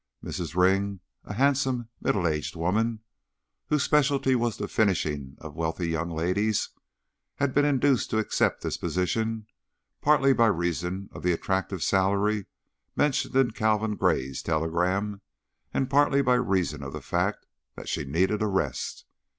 Mrs. Ring, a handsome, middle aged woman whose specialty was the finishing of wealthy young "ladies," had been induced to accept this position partly by reason of the attractive salary mentioned in Calvin Gray's telegram, and partly by reason of the fact that she needed a rest.